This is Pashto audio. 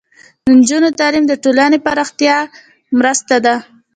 د نجونو تعلیم د ټولنې پراختیا مرسته ده.